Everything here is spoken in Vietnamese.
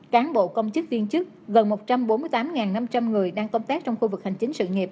cán bộ công chức viên chức gần một trăm bốn mươi tám năm trăm linh người đang công tác trong khu vực hành chính sự nghiệp